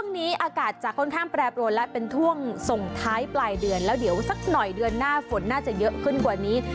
น่าจะเยอะขึ้นกว่านี้